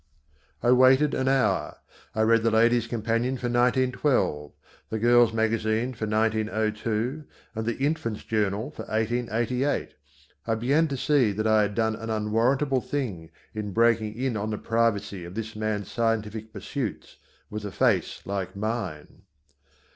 I waited an hour. I read the Ladies Companion for 1912, the Girls Magazine for 1902 and the Infants Journal for 1888. I began to see that I had done an unwarrantable thing in breaking in on the privacy of this man's scientific pursuits with a face like mine.